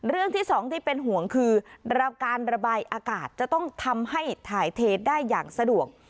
ที่สองที่เป็นห่วงคือการระบายอากาศจะต้องทำให้ถ่ายเทได้อย่างสะดวก